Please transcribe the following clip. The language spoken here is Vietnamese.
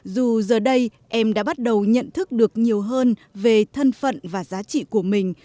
dù giờ đây em đã bắt đầu nhận thức được nhiều hơn về thân phận và giá trị của mình